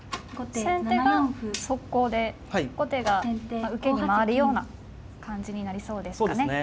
先手が速攻で後手が受けに回るような感じになりそうですかね。